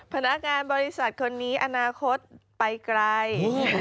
พนักงานบริษัทคนนี้อนาคตไปไกล